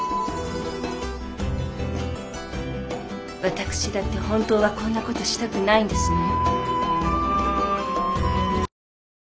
私だって本当はこんな事したくないんですのよ。